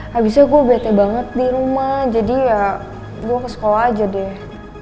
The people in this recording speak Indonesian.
habisnya gue bete banget di rumah jadi ya gue ke sekolah aja deh